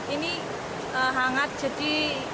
ini hangat jadi